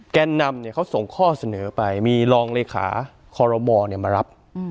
แกนนำเขาส่งข้อเสนอไปมีรองเลขาคอรมอลมารับ